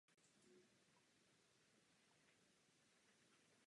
Pohřben byl na brněnském Ústředním hřbitově.